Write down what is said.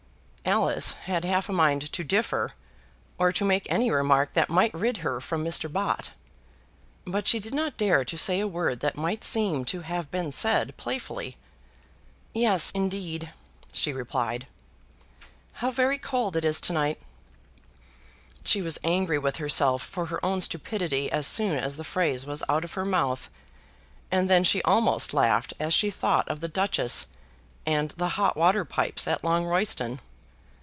Alice had half a mind to differ, or to make any remark that might rid her from Mr. Bott. But she did not dare to say a word that might seem to have been said playfully. "Yes, indeed," she replied. "How very cold it is to night!" She was angry with herself for her own stupidity as soon as the phrase was out of her mouth, and then she almost laughed as she thought of the Duchess and the hot water pipes at Longroyston.